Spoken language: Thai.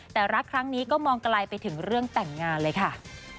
แต่รักครั้งนี้ก็มองไกลไปถึงเรื่องแต่งงานเลยค่ะ